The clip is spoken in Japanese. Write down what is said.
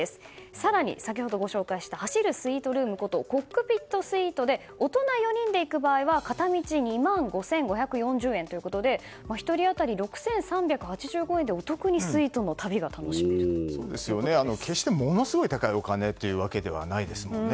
更に、先ほどご紹介した走るスイートルームことコックピットスイートで大人４人で行く場合は片道２万５５４０円ということで１人当たり６３８５円でお得にスイートを決して、ものすごく高いお金というわけではないですものね。